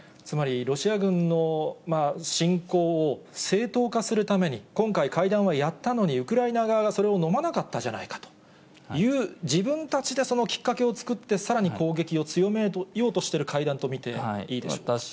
つまりロシア軍の侵攻を正当化するために、今回、会談はやったのに、ウクライナ側がそれをのまなかったじゃないかという、自分たちでそのきっかけを作って、さらに攻撃を強めようとしている会談と見ていいでしょうか。